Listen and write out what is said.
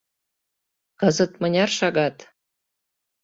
— Кызыт мыняр шагат?